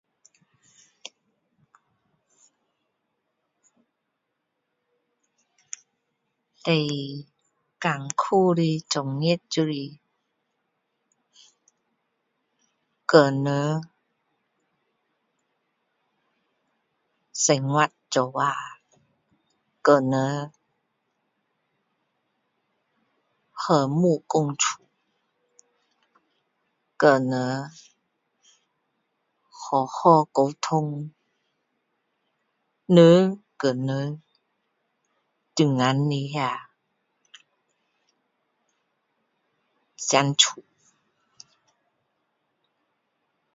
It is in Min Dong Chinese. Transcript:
最困苦的专业就是和人生活一起和人和睦共处和人好好沟通人和人中间的那要相处